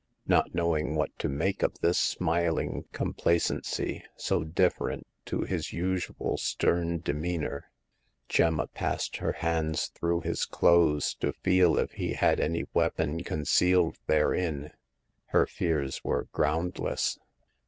Not knowing what to make of this smiling com placency, so different to his usual stern demeanor. Gemma passed her hands through his clothes to The Fourth Customer. 125 feel if he had any weapon concealed therein. Her fears were groundless.